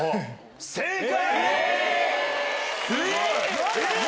正解！